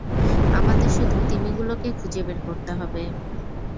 আমাদের শুধু তিমিগুলোকে খুঁজে বের করতে হবে!